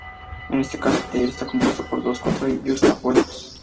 En este caso, el taller está compuesto por dos cuartos yuxtapuestos.